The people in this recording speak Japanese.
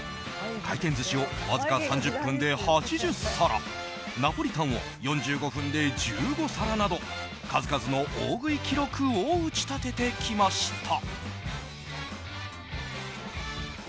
回転寿司をわずか３０分で８０皿ナポリタンを４５分で１５皿など数々の大食い記録を打ち立ててきました。